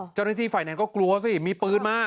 เจ้าหน้าที่ไฟแนนซ์ก็กลัวสิมีปืนมา